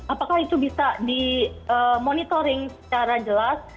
apakah itu bisa di monitoring secara jelas